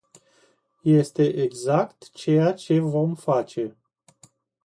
Este exact ceea ce vom face.